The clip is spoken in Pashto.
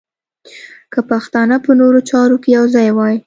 که پښتانه په نورو چارو کې یو ځای وای.